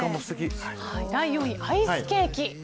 第４位、アイスケーキ。